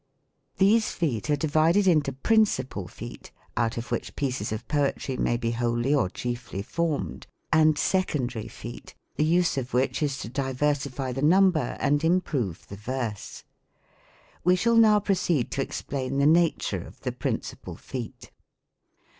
These feet are divided into principal feet, out of which pieces of poetry may be wholly or chiefly formed ; and secondary feet, the use of which is to diversify the num ber and improve the verse. We shall now proceed to explain the nature of the principal feet.